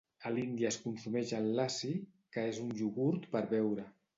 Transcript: A l'Índia es consumeix el Lassi, que és un iogurt per beure.